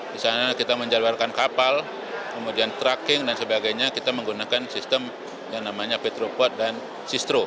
di sana kita menjalwalkan kapal kemudian trucking dan sebagainya kita menggunakan sistem yang namanya petropot dan cistro